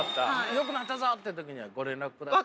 よくなったぞって時にはご連絡ください。